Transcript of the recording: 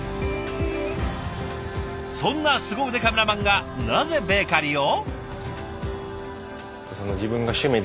そんなスゴ腕カメラマンがなぜベーカリーを？